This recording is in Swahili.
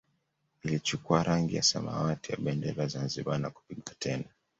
Ilichukua rangi ya samawati ya bendera ya Zanzibar na kupigwa tena